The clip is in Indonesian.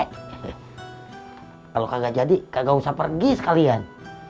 kalau kagak jadi kagak usah pergi sekalian